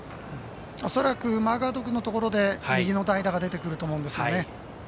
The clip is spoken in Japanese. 恐らくマーガード君のところで右の代打が出てくると思うんですよね。